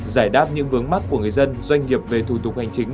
giải đáp những vướng mắt của người dân doanh nghiệp về thủ tục hành chính